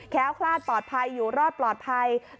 ้วคลาดปลอดภัยอยู่รอดปลอดภัย